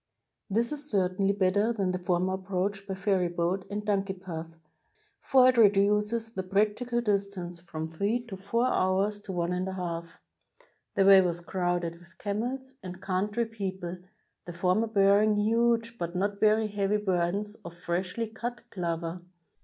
This is certainly better than the former approach by ferryboat and donkey path, for it reduces the practi cal distance from three or four hours to one and a half. The way was crowded with camels and coimtry peo ple, the former bearing huge but not very heavy burdens of freshly cut clover.